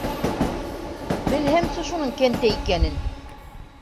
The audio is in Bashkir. — Белһәмсе, шуның кәнтәй икәнен!